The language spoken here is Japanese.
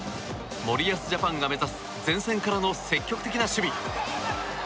森保ジャパンが目指す前線からの積極的な守備。